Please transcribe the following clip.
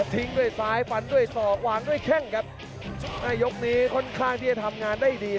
ทิ้งด้วยซ้ายฟันด้วยศอกวางด้วยแข้งครับในยกนี้ค่อนข้างที่จะทำงานได้ดี